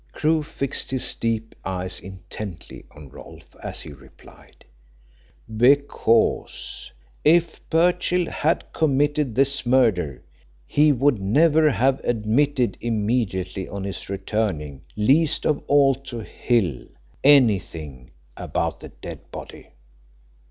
Crewe fixed his deep eyes intently on Rolfe as he replied: "Because, if Birchill had committed this murder, he would never have admitted immediately on his returning, least of all to Hill, anything about the dead body."